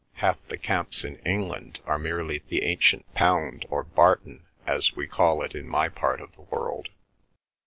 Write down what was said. Half the camps in England are merely the ancient pound or barton as we call it in my part of the world.